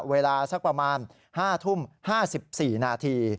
เวลาสักประมาณ๕ทุ่ม๕๔นาที